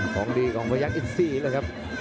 ของดีของพยักษ์อินซีเลยครับ